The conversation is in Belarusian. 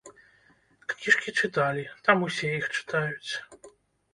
Кніжкі чыталі, там усе іх чытаюць.